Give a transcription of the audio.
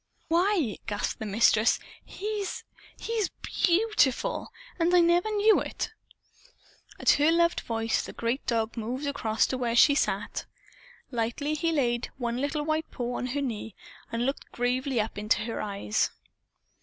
"Why!" gasped the Mistress. "He's he's BEAUTIFUL! And I never knew it." At her loved voice the great dog moved across to where she sat. Lightly he laid one little white paw on her knee and looked gravely up into her eyes.